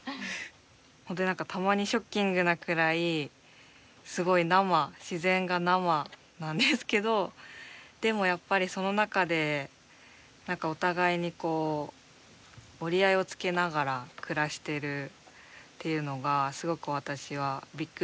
本当に何かたまにショッキングなくらいすごい生自然が生なんですけどでもやっぱりその中で何かお互いにこう折り合いをつけながら暮らしてるっていうのがすごく私はびっくりしたし。